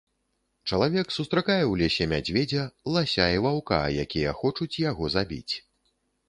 Чалавек сустракае ў лесе мядзведзя, лася і ваўка, якія хочуць яго забіць.